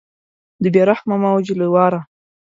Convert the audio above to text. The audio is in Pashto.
د بې رحمه موج له واره